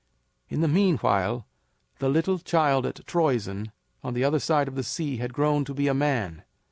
In the meanwhile the little child at Troezen on the other side of the sea had grown to be a man.